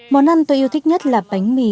món ăn tôi yêu thích nhất là bánh mì